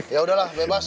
ya udahlah bebas